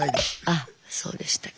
あそうでしたか。